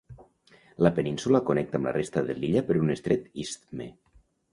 La península connecta amb la resta de l'illa per un estret istme.